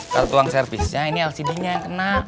kalau tuang servisnya ini lcd nya yang kena